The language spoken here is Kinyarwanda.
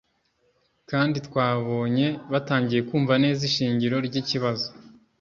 kandi twabonye batangiye kumva neza ishingiro ry’ikibazo